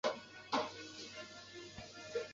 全卷八编。